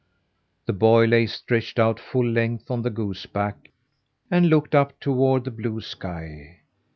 The boy lay stretched out full length on the goose back, and looked up toward the blue sky.